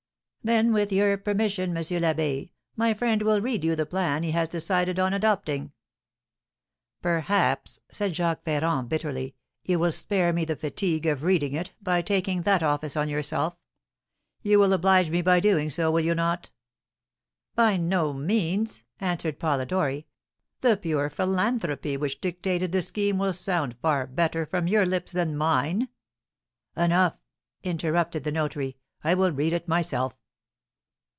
"Then, with your permission, M. l'Abbé, my friend will read you the plan he has decided on adopting." "Perhaps," said Jacques Ferrand, bitterly, "you will spare me the fatigue of reading it, by taking that office on yourself? You will oblige me by so doing, will you not?" "By no means!" answered Polidori. "The pure philanthropy which dictated the scheme will sound far better from your lips than mine." "Enough!" interrupted the notary; "I will read it myself."